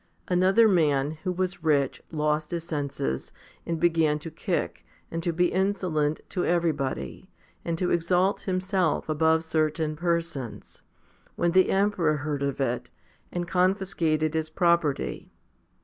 Another man, who was rich, lost his senses, and began to kick, and to be insolent to everybody, and to exalt himself above certain persons, when the emperor heard of it, and confiscated his property.